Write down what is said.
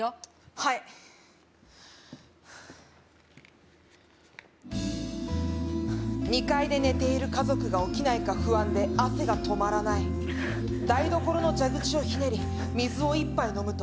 はい「２階で寝ている家族が起きないか不安で汗が止まらない」「台所の蛇口をひねり水を１杯飲むと」